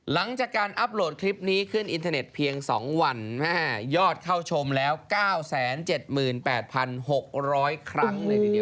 หลังจากการอัพโหลดคลิปนี้ขึ้นอินเทอร์เน็ตเพียง๒วันแม่ยอดเข้าชมแล้ว๙๗๘๖๐๐ครั้งเลยทีเดียว